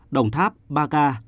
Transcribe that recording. đồng tháp ba ca